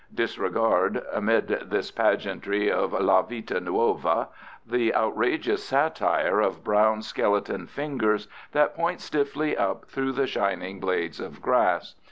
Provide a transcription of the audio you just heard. Disregard, amid this pageantry of la vita nuova, the outrageous satire of brown skeleton "fingers" that point stiffly up through the shining blades of grass.